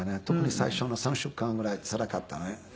特に最初の３週間ぐらいつらかったね。